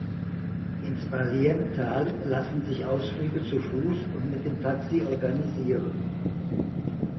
Ins Baliem-Tal lassen sich Ausflüge zu Fuß und mit dem Taxi organisieren.